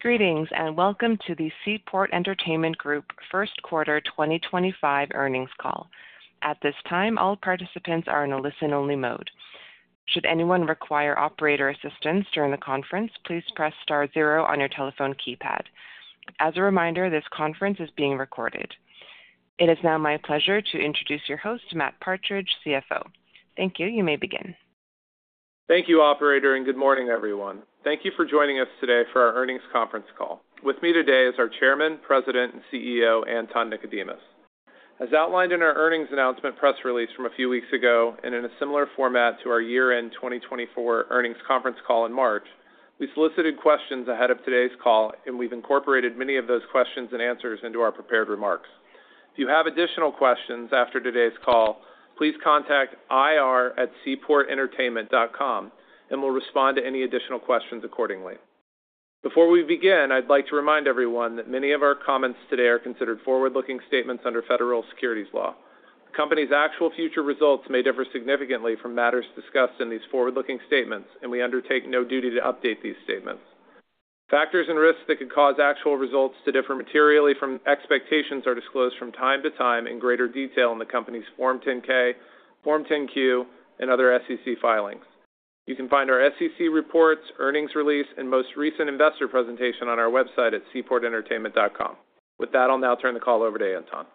Greetings and welcome to the Seaport Entertainment Group First Quarter 2025 earnings call. At this time, all participants are in a listen-only mode. Should anyone require operator assistance during the conference, please press star zero on your telephone keypad. As a reminder, this conference is being recorded. It is now my pleasure to introduce your host, Matt Partridge, CFO. Thank you. You may begin. Thank you, Operator, and good morning, everyone. Thank you for joining us today for our earnings conference call. With me today is our Chairman, President, and CEO, Anton Nikodemus. As outlined in our earnings announcement press release from a few weeks ago, and in a similar format to our year-end 2024 earnings conference call in March, we solicited questions ahead of today's call, and we've incorporated many of those questions and answers into our prepared remarks. If you have additional questions after today's call, please contact IR@seaportentertainment.com, and we'll respond to any additional questions accordingly. Before we begin, I'd like to remind everyone that many of our comments today are considered forward-looking statements under federal securities law. The company's actual future results may differ significantly from matters discussed in these forward-looking statements, and we undertake no duty to update these statements. Factors and risks that could cause actual results to differ materially from expectations are disclosed from time to time in greater detail in the company's Form 10-K, Form 10-Q, and other SEC filings. You can find our SEC reports, earnings release, and most recent investor presentation on our website at seaportentertainment.com. With that, I'll now turn the call over to Anton.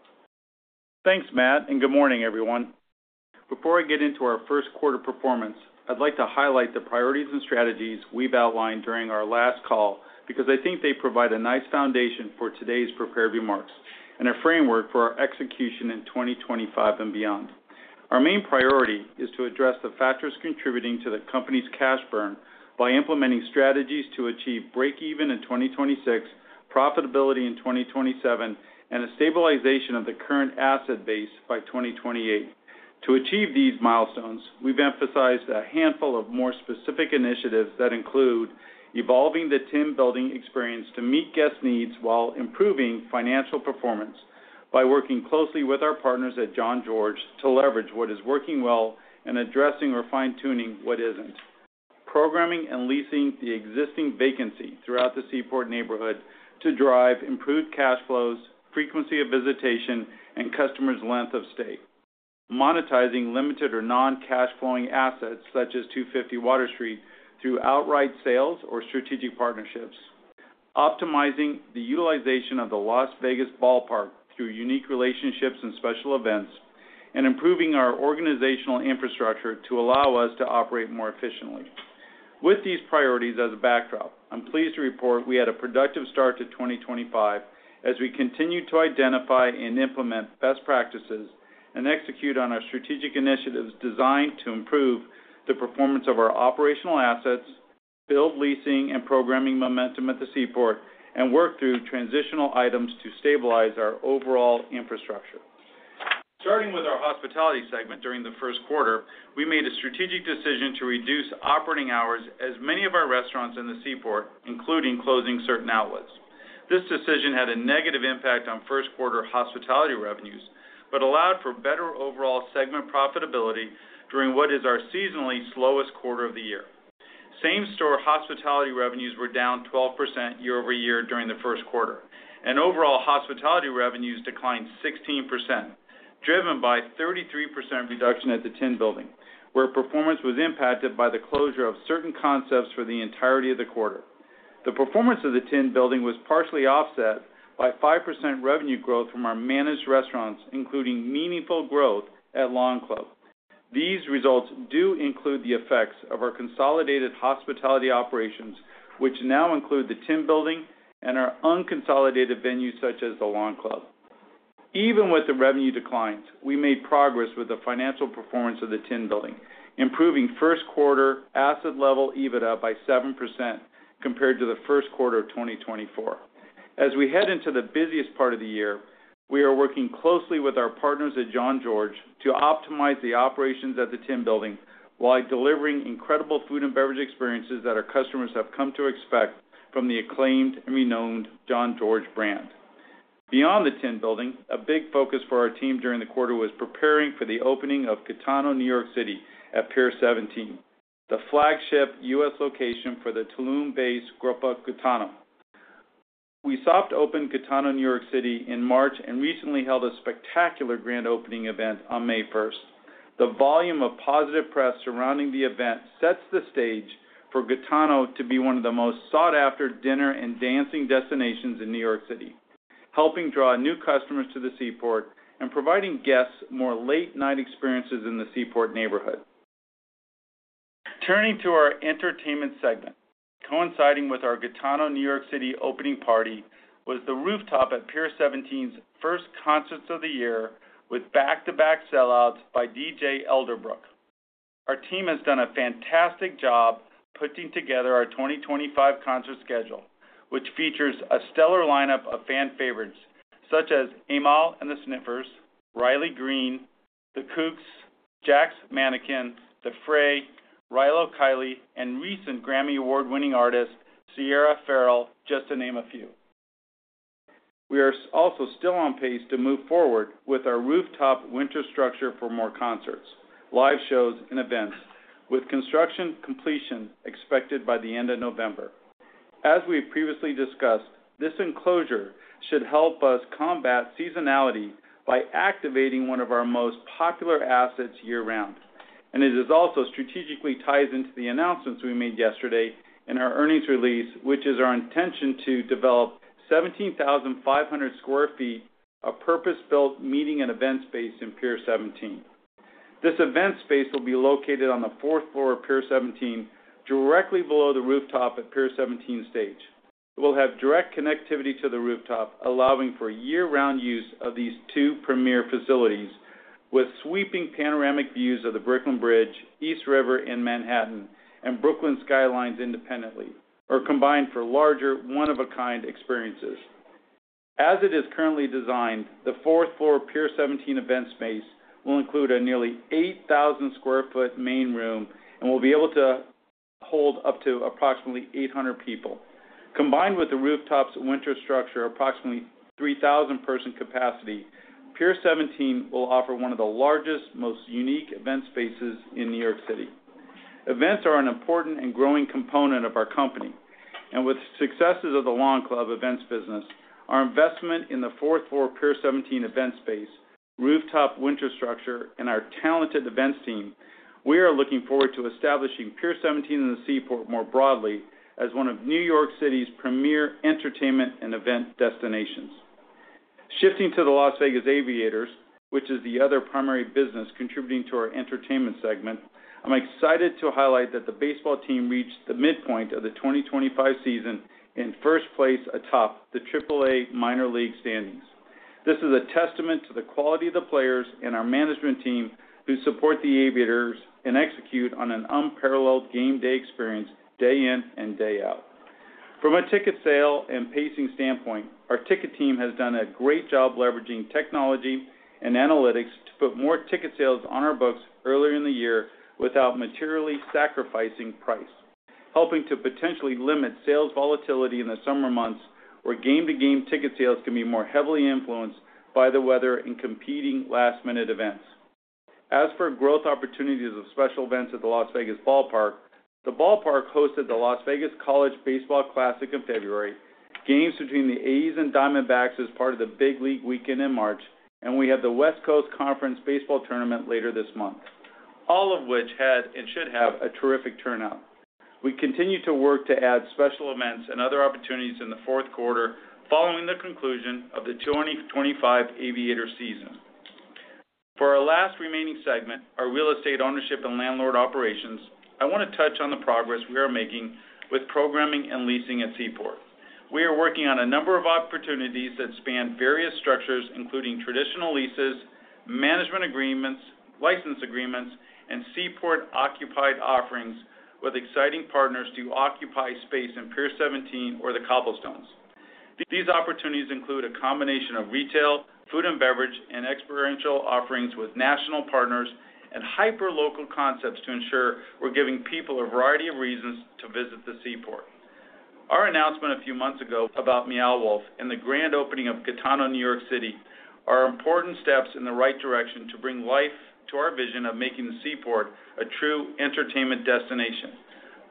Thanks, Matt, and good morning, everyone. Before I get into our first quarter performance, I'd like to highlight the priorities and strategies we've outlined during our last call because I think they provide a nice foundation for today's prepared remarks and a framework for our execution in 2025 and beyond. Our main priority is to address the factors contributing to the company's cash burn by implementing strategies to achieve break-even in 2026, profitability in 2027, and a stabilization of the current asset base by 2028. To achieve these milestones, we've emphasized a handful of more specific initiatives that include evolving the Tin Building experience to meet guest needs while improving financial performance by working closely with our partners at Jean-Georges to leverage what is working well and addressing or fine-tuning what isn't, programming and leasing the existing vacancy throughout the Seaport neighborhood to drive improved cash flows, frequency of visitation, and customers' length of stay, monetizing limited or non-cash flowing assets such as 250 Water Street through outright sales or strategic partnerships, optimizing the utilization of the Las Vegas Ballpark through unique relationships and special events, and improving our organizational infrastructure to allow us to operate more efficiently. With these priorities as a backdrop, I'm pleased to report we had a productive start to 2025 as we continue to identify and implement best practices and execute on our strategic initiatives designed to improve the performance of our operational assets, build leasing and programming momentum at the Seaport, and work through transitional items to stabilize our overall infrastructure. Starting with our hospitality segment during the first quarter, we made a strategic decision to reduce operating hours at many of our restaurants in the Seaport, including closing certain outlets. This decision had a negative impact on first quarter hospitality revenues but allowed for better overall segment profitability during what is our seasonally slowest quarter of the year. Same-store hospitality revenues were down 12% year over year during the first quarter, and overall hospitality revenues declined 16%, driven by a 33% reduction at the Tin Building, where performance was impacted by the closure of certain concepts for the entirety of the quarter. The performance of the Tin Building was partially offset by 5% revenue growth from our managed restaurants, including meaningful growth at Long Club. These results do include the effects of our consolidated hospitality operations, which now include the Tin Building and our unconsolidated venues such as the Long Club. Even with the revenue declines, we made progress with the financial performance of the Tin Building, improving first quarter asset level EBITDA by 7% compared to the first quarter of 2024. As we head into the busiest part of the year, we are working closely with our partners at Jean-Georges to optimize the operations at the Tin Building while delivering incredible food and beverage experiences that our customers have come to expect from the acclaimed and renowned Jean-Georges brand. Beyond the Tin Building, a big focus for our team during the quarter was preparing for the opening of GITANO New York City at Pier 17, the flagship U.S. location for the Tulum-based Grupo Gitano. We sought to open GITANO New York City in March and recently held a spectacular grand opening event on May 1st. The volume of positive press surrounding the event sets the stage for GITANO to be one of the most sought-after dinner and dancing destinations in New York City, helping draw new customers to the Seaport and providing guests more late-night experiences in the Seaport neighborhood. Turning to our entertainment segment, coinciding with our GITANO New York City opening party was the Rooftop at Pier 17's first concerts of the year with back-to-back sellouts by DJ Elderbrook. Our team has done a fantastic job putting together our 2025 concert schedule, which features a stellar lineup of fan favorites such as Amyl and the Sniffers, Riley Green, The Kooks, Jack's Mannequin, the Fray, Rilo Kiley, and recent Grammy Award-winning artist Sierra Ferrell, just to name a few. We are also still on pace to move forward with our rooftop winter structure for more concerts, live shows, and events, with construction completion expected by the end of November. As we've previously discussed, this enclosure should help us combat seasonality by activating one of our most popular assets year-round, and it is also strategically tied into the announcements we made yesterday in our earnings release, which is our intention to develop 17,500 sq ft of purpose-built meeting and event space in Pier 17. This event space will be located on the fourth floor of Pier 17, directly below the Rooftop at Pier 17 Stage. It will have direct connectivity to the rooftop, allowing for year-round use of these two premier facilities with sweeping panoramic views of the Brooklyn Bridge, East River, and Manhattan, and Brooklyn skylines independently or combined for larger, one-of-a-kind experiences. As it is currently designed, the fourth floor Pier 17 event space will include a nearly 8,000 sq ft main room and will be able to hold up to approximately 800 people. Combined with the rooftop's winter structure, approximately 3,000 person capacity, Pier 17 will offer one of the largest, most unique event spaces in New York City. Events are an important and growing component of our company, and with the successes of the Longclub events business, our investment in the fourth floor Pier 17 event space, rooftop winter structure, and our talented events team, we are looking forward to establishing Pier 17 in the Seaport more broadly as one of New York City's premier entertainment and event destinations. Shifting to the Las Vegas Aviators, which is the other primary business contributing to our entertainment segment, I'm excited to highlight that the baseball team reached the midpoint of the 2025 season and first place atop the AAA minor league standings. This is a testament to the quality of the players and our management team who support the Aviators and execute on an unparalleled game day experience day in and day out. From a ticket sale and pacing standpoint, our ticket team has done a great job leveraging technology and analytics to put more ticket sales on our books earlier in the year without materially sacrificing price, helping to potentially limit sales volatility in the summer months where game-to-game ticket sales can be more heavily influenced by the weather and competing last-minute events. As for growth opportunities of special events at the Las Vegas Ballpark, the Ballpark hosted the Las Vegas College Baseball Classic in February, games between the A's and Diamondbacks as part of the big league weekend in March, and we had the West Coast Conference Baseball Tournament later this month, all of which had and should have a terrific turnout. We continue to work to add special events and other opportunities in the fourth quarter following the conclusion of the 2025 Aviator season. For our last remaining segment, our real estate ownership and landlord operations, I want to touch on the progress we are making with programming and leasing at Seaport. We are working on a number of opportunities that span various structures, including traditional leases, management agreements, license agreements, and Seaport-occupied offerings with exciting partners to occupy space in Pier 17 or the Cobblestones. These opportunities include a combination of retail, food and beverage, and experiential offerings with national partners and hyper-local concepts to ensure we're giving people a variety of reasons to visit the Seaport. Our announcement a few months ago about Meow Wolf and the grand opening of GITANO New York City are important steps in the right direction to bring life to our vision of making the Seaport a true entertainment destination.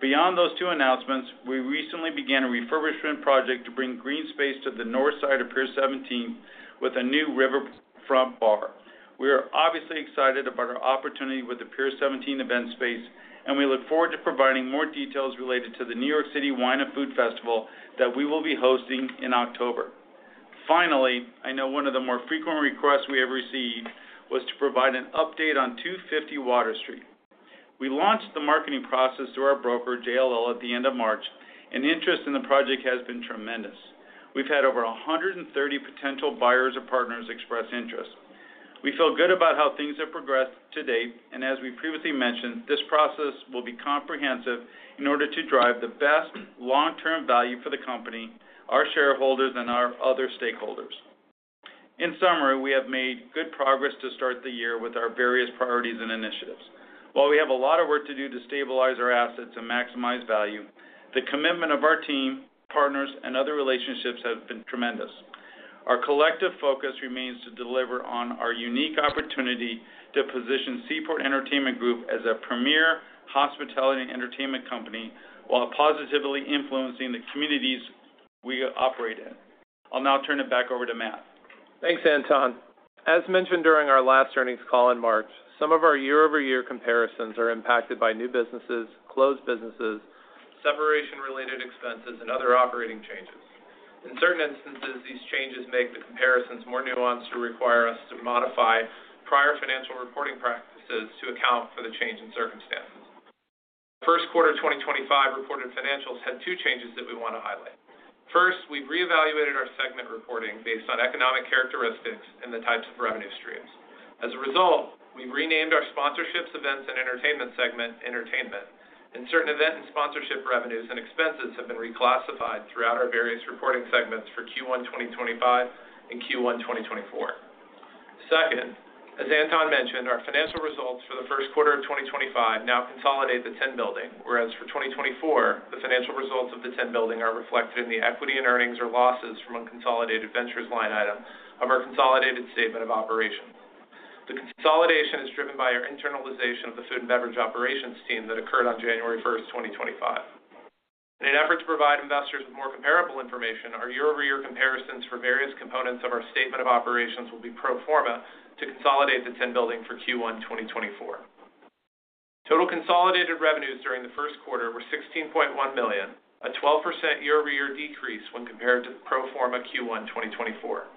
Beyond those two announcements, we recently began a refurbishment project to bring green space to the north side of Pier 17 with a new riverfront bar. We are obviously excited about our opportunity with the Pier 17 event space, and we look forward to providing more details related to the New York City Wine and Food Festival that we will be hosting in October. Finally, I know one of the more frequent requests we have received was to provide an update on 250 Water Street. We launched the marketing process through our broker, JLL, at the end of March, and interest in the project has been tremendous. We have had over 130 potential buyers or partners express interest. We feel good about how things have progressed to date, and as we previously mentioned, this process will be comprehensive in order to drive the best long-term value for the company, our shareholders, and our other stakeholders. In summary, we have made good progress to start the year with our various priorities and initiatives. While we have a lot of work to do to stabilize our assets and maximize value, the commitment of our team, partners, and other relationships has been tremendous. Our collective focus remains to deliver on our unique opportunity to position Seaport Entertainment Group as a premier hospitality and entertainment company while positively influencing the communities we operate in. I'll now turn it back over to Matt. Thanks, Anton. As mentioned during our last earnings call in March, some of our year-over-year comparisons are impacted by new businesses, closed businesses, separation-related expenses, and other operating changes. In certain instances, these changes make the comparisons more nuanced or require us to modify prior financial reporting practices to account for the change in circumstances. First quarter 2025 reported financials had two changes that we want to highlight. First, we've reevaluated our segment reporting based on economic characteristics and the types of revenue streams. As a result, we've renamed our sponsorships, events, and entertainment segment, entertainment, and certain event and sponsorship revenues and expenses have been reclassified throughout our various reporting segments for Q1 2025 and Q1 2024. Second, as Anton mentioned, our financial results for the first quarter of 2025 now consolidate the Tin Building, whereas for 2024, the financial results of the Tin Building are reflected in the equity and earnings or losses from unconsolidated ventures line item of our consolidated statement of operations. The consolidation is driven by our internalization of the food and beverage operations team that occurred on January 1st, 2025. In an effort to provide investors with more comparable information, our year-over-year comparisons for various components of our statement of operations will be pro forma to consolidate the Tin Building for Q1 2024. Total consolidated revenues during the first quarter were $16.1 million, a 12% year-over-year decrease when compared to pro forma Q1 2024.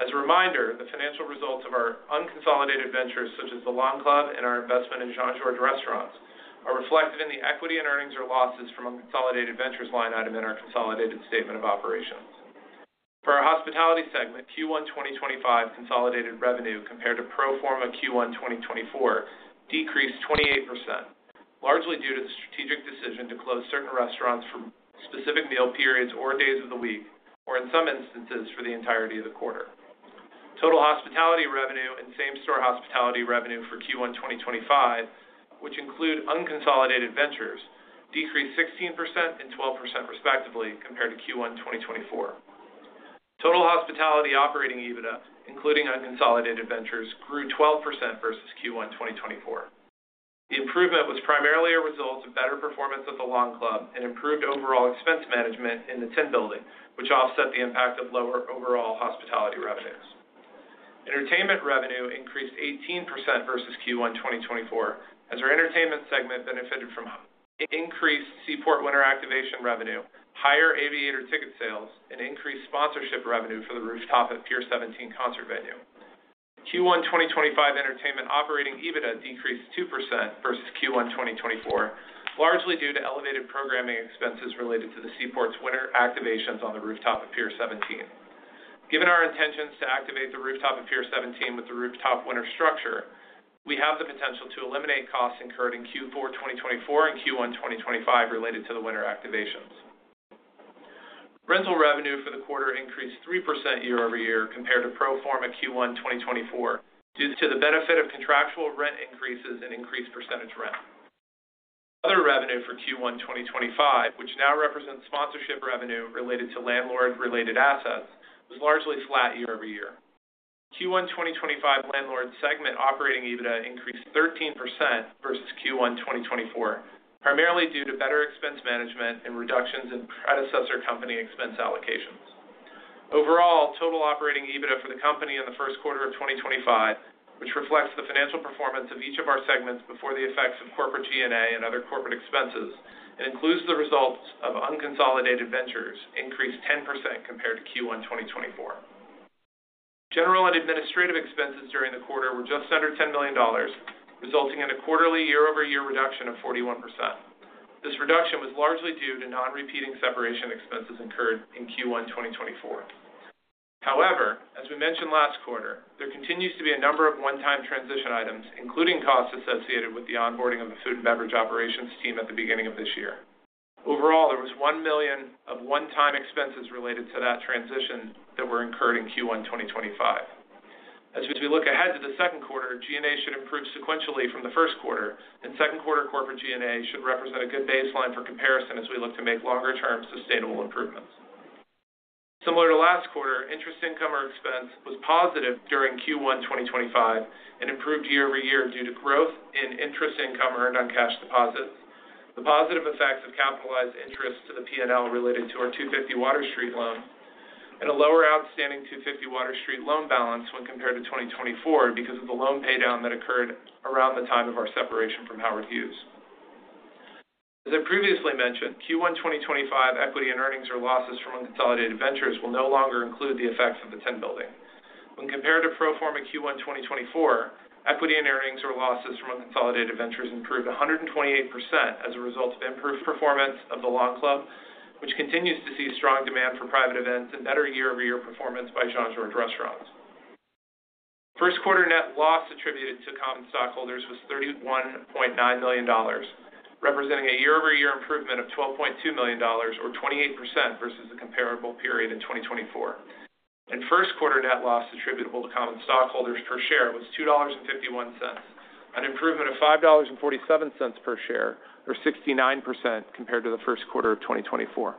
As a reminder, the financial results of our unconsolidated ventures, such as the Long Club and our investment in Jean-Georges restaurants, are reflected in the equity and earnings or losses from unconsolidated ventures line item in our consolidated statement of operations. For our hospitality segment, Q1 2025 consolidated revenue compared to pro forma Q1 2024 decreased 28%, largely due to the strategic decision to close certain restaurants for specific meal periods or days of the week, or in some instances for the entirety of the quarter. Total hospitality revenue and same-store hospitality revenue for Q1 2025, which include unconsolidated ventures, decreased 16% and 12% respectively compared to Q1 2024. Total hospitality operating EBITDA, including unconsolidated ventures, grew 12% versus Q1 2024. The improvement was primarily a result of better performance at the Long Club and improved overall expense management in the Tin Building, which offset the impact of lower overall hospitality revenues. Entertainment revenue increased 18% versus Q1 2024 as our entertainment segment benefited from increased Seaport winter activation revenue, higher Aviators ticket sales, and increased sponsorship revenue for the Rooftop at Pier 17 concert venue. Q1 2025 entertainment operating EBITDA decreased 2% versus Q1 2024, largely due to elevated programming expenses related to the Seaport's winter activations on the Rooftop at Pier 17. Given our intentions to activate the Rooftop at Pier 17 with the rooftop winter structure, we have the potential to eliminate costs incurred in Q4 2024 and Q1 2025 related to the winter activations. Rental revenue for the quarter increased 3% year-over-year compared to pro forma Q1 2024 due to the benefit of contractual rent increases and increased percentage rent. Other revenue for Q1 2025, which now represents sponsorship revenue related to landlord-related assets, was largely flat year-over-year. Q1 2025 landlord segment operating EBITDA increased 13% versus Q1 2024, primarily due to better expense management and reductions in predecessor company expense allocations. Overall, total operating EBITDA for the company in the first quarter of 2025, which reflects the financial performance of each of our segments before the effects of corporate G&A and other corporate expenses, and includes the results of unconsolidated ventures, increased 10% compared to Q1 2024. General and administrative expenses during the quarter were just under $10 million, resulting in a quarterly year-over-year reduction of 41%. This reduction was largely due to non-repeating separation expenses incurred in Q1 2024. However, as we mentioned last quarter, there continues to be a number of one-time transition items, including costs associated with the onboarding of the food and beverage operations team at the beginning of this year. Overall, there was $1 million of one-time expenses related to that transition that were incurred in Q1 2025. As we look ahead to the second quarter, G&A should improve sequentially from the first quarter, and second quarter corporate G&A should represent a good baseline for comparison as we look to make longer-term sustainable improvements. Similar to last quarter, interest income or expense was positive during Q1 2025 and improved year-over-year due to growth in interest income earned on cash deposits, the positive effects of capitalized interest to the P&L related to our 250 Water Street loan, and a lower outstanding 250 Water Street loan balance when compared to 2024 because of the loan paydown that occurred around the time of our separation from Howard Hughes. As I previously mentioned, Q1 2025 equity and earnings or losses from unconsolidated ventures will no longer include the effects of the Tin Building. When compared to pro forma Q1 2024, equity and earnings or losses from unconsolidated ventures improved 128% as a result of improved performance of the Long Club, which continues to see strong demand for private events and better year-over-year performance by Jean-Georges restaurants. First quarter net loss attributed to common stockholders was $31.9 million, representing a year-over-year improvement of $12.2 million or 28% versus the comparable period in 2024. First quarter net loss attributable to common stockholders per share was $2.51, an improvement of $5.47 per share or 69% compared to the first quarter of 2024.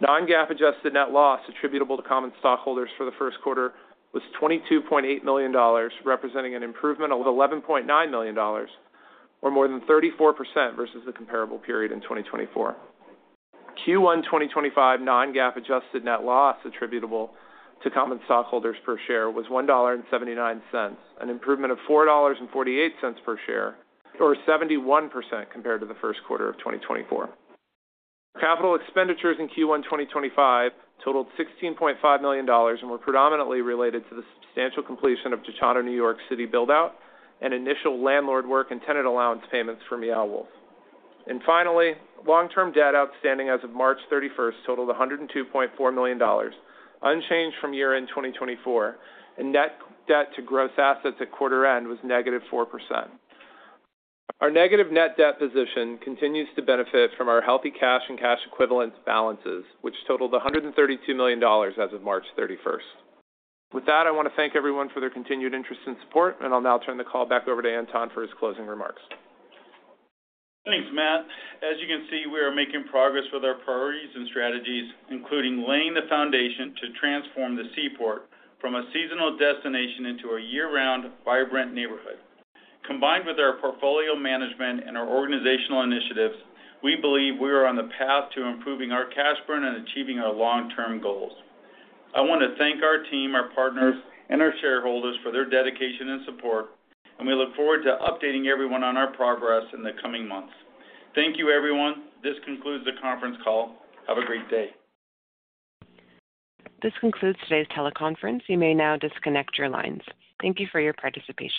Non-GAAP adjusted net loss attributable to common stockholders for the first quarter was $22.8 million, representing an improvement of $11.9 million or more than 34% versus the comparable period in 2024. Q1 2025 non-GAAP adjusted net loss attributable to common stockholders per share was $1.79, an improvement of $4.48 per share or 71% compared to the first quarter of 2024. Capital expenditures in Q1 2025 totaled $16.5 million and were predominantly related to the substantial completion of GITANO New York City build-out and initial landlord work and tenant allowance payments for Meow Wolf. Finally, long-term debt outstanding as of March 31st totaled $102.4 million, unchanged from year-end 2024, and net debt to gross assets at quarter-end was negative 4%. Our negative net debt position continues to benefit from our healthy cash and cash equivalent balances, which totaled $132 million as of March 31. With that, I want to thank everyone for their continued interest and support, and I'll now turn the call back over to Anton for his closing remarks. Thanks, Matt. As you can see, we are making progress with our priorities and strategies, including laying the foundation to transform the Seaport from a seasonal destination into a year-round vibrant neighborhood. Combined with our portfolio management and our organizational initiatives, we believe we are on the path to improving our cash burn and achieving our long-term goals. I want to thank our team, our partners, and our shareholders for their dedication and support, and we look forward to updating everyone on our progress in the coming months. Thank you, everyone. This concludes the conference call. Have a great day. This concludes today's teleconference. You may now disconnect your lines. Thank you for your participation.